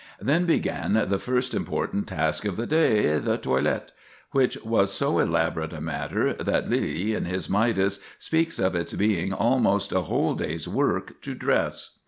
Then began the first important task of the day—the toilet, which was so elaborate a matter that Lyly, in his "Midas," speaks of its being almost "a whole day's work to dress."